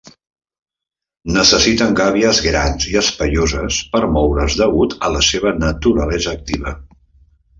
Necessiten gàbies grans i espaioses per moure's degut a la seva naturalesa activa.